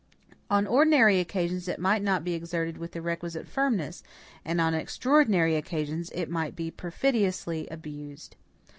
On ordinary occasions it might not be exerted with the requisite firmness, and on extraordinary occasions it might be perfidiously abused.